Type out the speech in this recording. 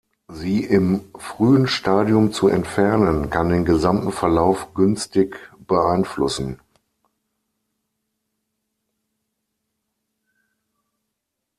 Sie im frühen Stadium zu entfernen, kann den gesamten Verlauf günstig beeinflussen.